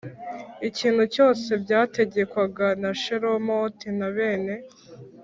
ikintu cyose byategekwaga na Shelomoti na bene